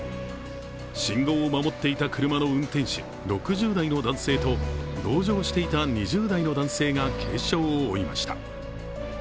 信号を守っていた車の運転手、６０代の男性と同乗していた２０代の男性が軽傷を負いました。